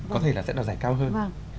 có thể là sẽ đoạt giải cao hơn